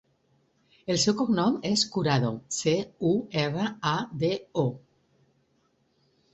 El seu cognom és Curado: ce, u, erra, a, de, o.